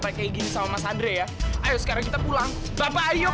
pak kakaknya anak patik